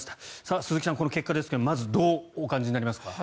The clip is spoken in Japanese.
鈴木さん、この結果ですがまず、どうお感じになりますか。